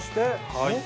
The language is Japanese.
はい。